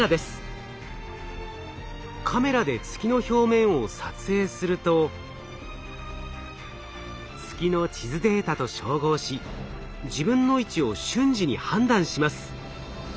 カメラで月の表面を撮影すると月の地図データと照合し自分の位置を瞬時に判断します。